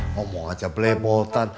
ngomong aja belebotan